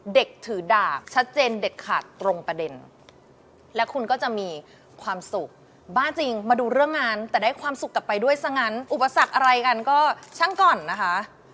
เด็กถือดาบชัดเจนเด็กขาดตรงประเด็นและคุณก็จะมีความสุขบ้าจริงมาดูเรื่องงานแต่ได้ความสุขกลับไปด้วยซะงั้นอุปสรรคอะไรกันก็ช่างก่อนนะคะ